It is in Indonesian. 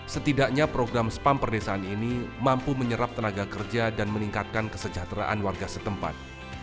setidaknya program spam perdesaan ini mampu menyerap tenaga kerja dan meningkatkan kesejahteraan warga setempat